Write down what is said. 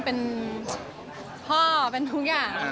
เป็นพ่อเป็นทุกอย่าง